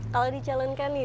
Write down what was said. kalau dicalonkan nih